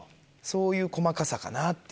そういう細かさかなっていう。